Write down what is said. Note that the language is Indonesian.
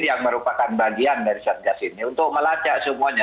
yang merupakan bagian dari satgas ini untuk melacak semuanya